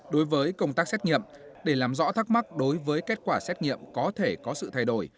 đối với công tác xét nghiệm để làm rõ thắc mắc đối với kết quả xét nghiệm có thể có sự thay đổi